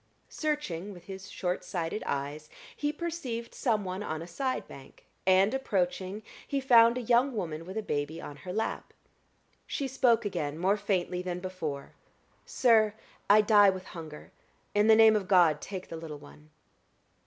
Searching with his short sighted eyes, he perceived some one on a side bank; and approaching, he found a young woman with a baby on her lap. She spoke again more faintly than before. "Sir, I die with hunger; in the name of God take the little one."